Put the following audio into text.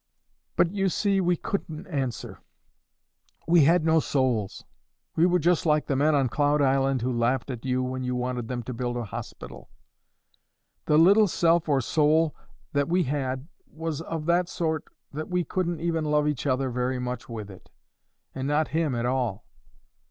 But, you see, we couldn't answer; we had no souls. We were just like the men on Cloud Island who laughed at you when you wanted them to build a hospital. The little self or soul that we had was of that sort that we couldn't even love each other very much with it, and not Him at all.